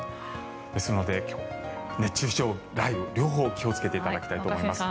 ですので、熱中症、雷雨両方気をつけていただきたいと思います。